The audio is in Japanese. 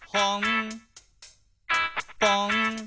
「ぽん」